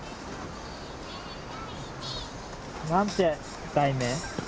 何て題名？